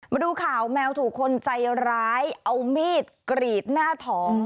มาดูข่าวแมวถูกคนใจร้ายเอามีดกรีดหน้าท้อง